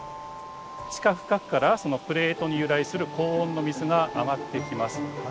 地下深くからプレートに由来する高温の水が上がってきます。